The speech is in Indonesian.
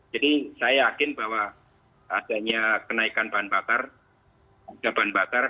jadi saya yakin bahwa adanya kenaikan bahan bakar